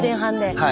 はい。